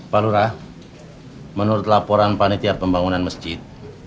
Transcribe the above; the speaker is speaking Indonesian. pak lurah menurut laporan panitia pembangunan masjid